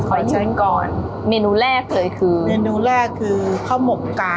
ขอหยุดก่อนเมนูแรกเลยคือเมนุแรกคือข้าวหมดไก่